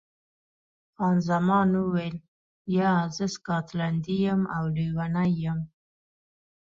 خان زمان وویل، یا، زه سکاټلنډۍ یم او لیونۍ یم.